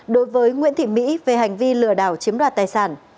đối với nguyễn thị mỹ về hành vi lừa đảo chiếm đoạt tài sản